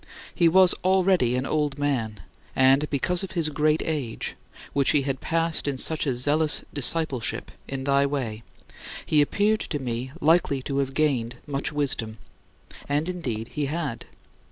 He was already an old man, and because of his great age, which he had passed in such a zealous discipleship in thy way, he appeared to me likely to have gained much wisdom and, indeed, he had.